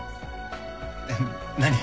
えっ何？